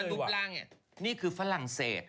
อันดูดิลางนี่นี่คือฝรั่งเศส